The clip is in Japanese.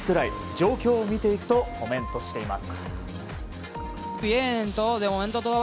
状況を見ていくとコメントしています。